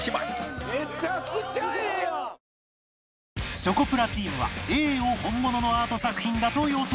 チョコプラチームは Ａ を本物のアート作品だと予想